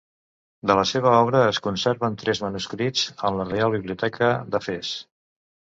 De la seva obra es conserven tres manuscrits en la Reial Biblioteca de Fes.